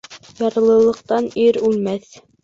Ярлылыҡтан ир үлмәҫ.